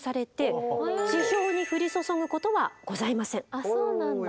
あっそうなんだ。